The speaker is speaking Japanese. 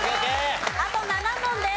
あと７問です。